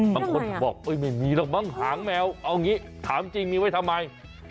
บางคนบอกไม่มีหรอกมั้งหางแมวเอางี้ถามจริงมีไว้ทำไม